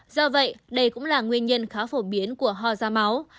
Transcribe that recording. do vậy đây cũng là nguyên nhân khá phổ biến của ho da máu